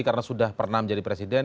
karena sudah pernah menjadi presiden